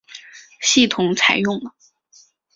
系统采用了。